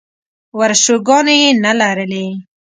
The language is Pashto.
ورشوګانې یې نه لرلې.